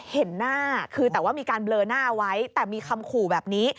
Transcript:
เห็นหน้าคือแต่ว่ามีการเบลอหน้าไว้แต่มีคำขู่แบบนี้